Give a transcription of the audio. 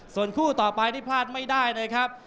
ส่วนคู่ต่อไปที่พลาดไม่ได้นะครับ